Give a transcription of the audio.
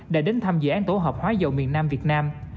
đã đến thăm dự án tổ hợp hóa dầu miền nam việt nam